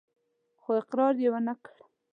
خو اقرار يې ونه کړ.